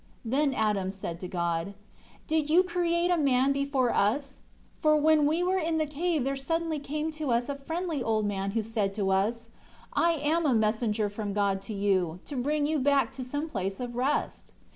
5 Then Adam said to God, "Did you create a man before us? For when we were in the cave there suddenly came to us a friendly old man who said to us, 'I am a messenger from God to you, to bring you back to some place of rest.'